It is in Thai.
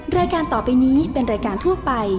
รายการต่อไปนี้เป็นรายการทั่วไป